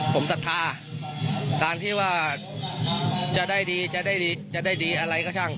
ผมศรัทธาการที่ว่าจะได้ดีจะได้จะได้ดีอะไรก็ช่าง